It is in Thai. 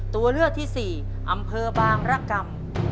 ตัวเลือกที่สี่อำเภอบางรกรรม